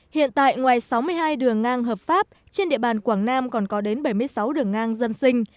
hiện tại ngoài sáu mươi hai đường ngang hợp pháp trên địa bàn quảng nam còn có đến bảy mươi sáu đường ngang dân sinh